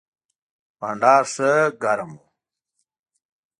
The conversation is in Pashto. بانډار ښه ګرم و.